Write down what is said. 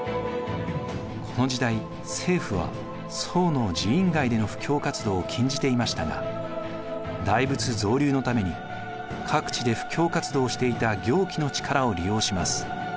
この時代政府は僧の寺院外での布教活動を禁じていましたが大仏造立のために各地で布教活動をしていた行基の力を利用します。